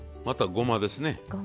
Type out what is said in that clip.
またごまですね。